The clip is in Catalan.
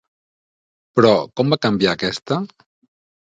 Però, com va canviar aquesta?